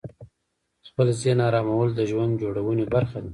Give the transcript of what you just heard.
خپل ذهن آرامول د ژوند جوړونې برخه ده.